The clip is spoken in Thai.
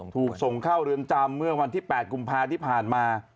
ถูกส่งเข้าเรือนจำเมื่อวันที่๘กุมภาที่ผ่านมา